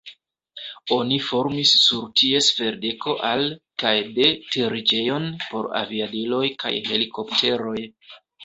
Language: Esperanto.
Oni formis sur ties ferdeko al- kaj de-teriĝejon por aviadiloj kaj helikopteroj.